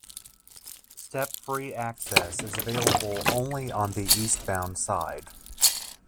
Step-free access is available only on the eastbound side.